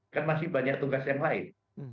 kan masih banyak tugas yang lain